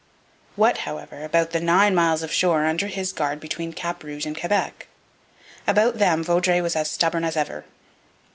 What, however, about the nine miles of shore under his guard between Cap Rouge and Quebec? About them Vaudreuil was as stubborn as ever.